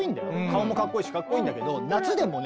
顔もかっこいいしかっこいいんだけど夏？